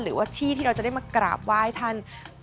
หรือว่าที่ที่เราจะได้มากราบไหว้ท่าน